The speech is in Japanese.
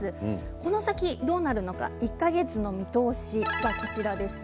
この先どうなるのか１か月の見通し、こちらです。